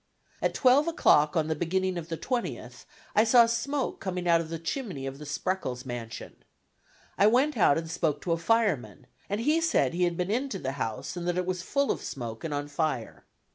At 12 o'clock on the beginning of the 20th I saw smoke coming out of the chimney of the Spreckels mansion. I went out and spoke to a fireman, and he said he had been into the house and that it was full of smoke and on fire.